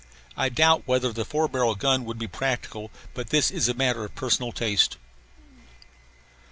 I doubt whether the four barrel gun would be practical; but this is a matter of personal taste.